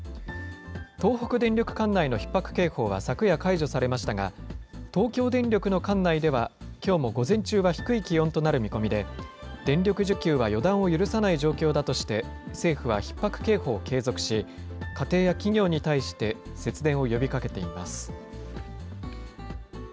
東北電力管内のひっ迫警報は昨夜解除されましたが、東京電力の管内では、きょうも午前中は低い気温となる見込みで、電力需給は予断を許さない状況だとして、政府はひっ迫警報を継続し、家庭や企業に対して、節電を呼びかけています。